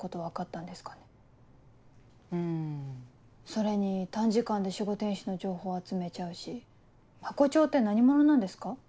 それに短時間で守護天使の情報集めちゃうしハコ長って何者なんですか？